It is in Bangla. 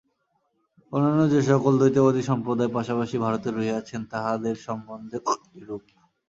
অন্যান্য যে-সকল দ্বৈতবাদী সম্প্রদায় পাশাপাশি ভারতে রহিয়াছেন, তাঁহাদের সম্বন্ধেও এইরূপ।